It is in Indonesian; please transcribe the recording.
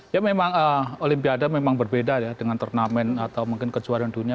ya memang olimpiade memang berbeda ya dengan turnamen atau mungkin kejuaraan dunia